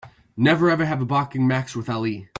Never ever have a boxing match with Ali!